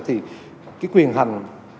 thì cái quyền hành